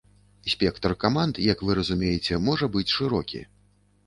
Спектр каманд, як вы разумееце, можа быць шырокі.